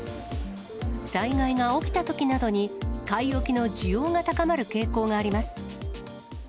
災害が起きたときなどに、買い置きの需要が高まる傾向があります。